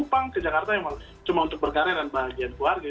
ke kupang ke jakarta emang cuma untuk berkarya dan bahagia keluarga